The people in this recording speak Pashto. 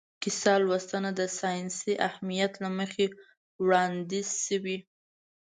کیسه لوستنه د ساینسي اهمیت له مخې وړاندیز شوې.